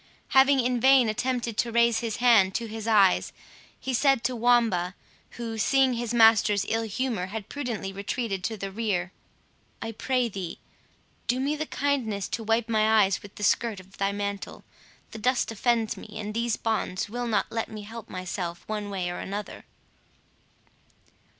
Having in vain attempted to raise his hand to his eyes, he said to Wamba, who, seeing his master's ill humour had prudently retreated to the rear, "I pray thee, do me the kindness to wipe my eyes with the skirt of thy mantle; the dust offends me, and these bonds will not let me help myself one way or another."